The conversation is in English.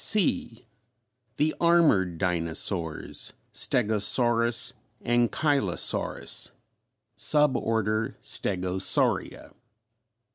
C. THE ARMORED DINOSAURS STEGOSAURUS, ANKYLOSAURUS. _Sub Order Stegosauria.